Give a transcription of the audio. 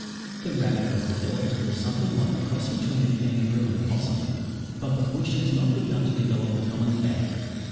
The rabbit has developed into something like a cross between a kangaroo and a possum, but the bush has not begun to develop the common cat.